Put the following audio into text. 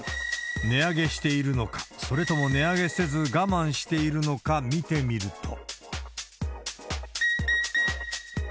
値上げしているのか、それとも値上げせず我慢しているのか見てみると。